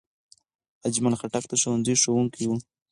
اجمل خټک د ښوونځي ښوونکی و.